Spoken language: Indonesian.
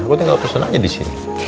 gue tinggal pesen aja disini